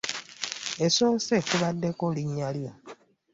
Esoose kubaddeko linnya lyo.